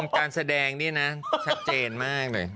การแสดงนี่นะชัดเจนมากหน่อย